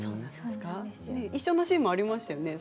一緒のシーンもありましたよね？